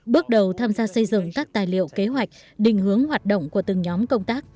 bước đầu tham gia xây dựng các tài liệu kế hoạch định hướng hoạt động của từng nhóm công tác